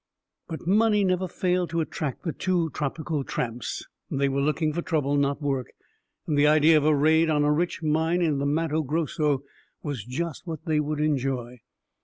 But money never failed to attract the two tropical tramps. They were looking for trouble, not work, and the idea of a raid on a rich mine in the Matto Grosso was just what they would enjoy.